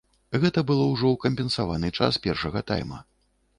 Гэта было ўжо ў кампенсаваны час першага тайма.